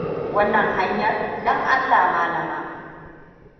Wannan hanyar, don Allah, malama.